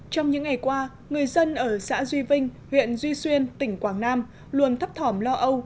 trong những ngày qua người dân ở xã duy vinh huyện duy xuyên tỉnh quảng nam luôn thấp thỏm lo âu